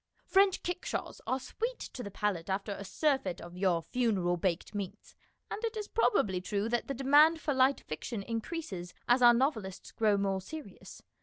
French kickshaws are sweet to the palate after a surfeit of your funeral baked meats, and it is probably true that the demand for light fiction increases as our novelists grow more serious.